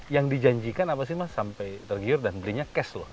yang dijanjikan apa sih mas sampai tergiur dan belinya cash loh